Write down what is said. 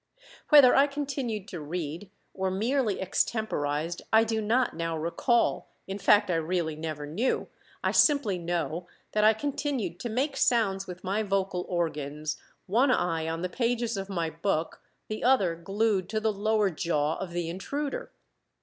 Whether I continued to read or merely extemporized I do not now recall in fact, I really never knew I simply know that I continued to make sounds with my vocal organs, one eye on the pages of my book, the other glued to the lower jaw of the intruder.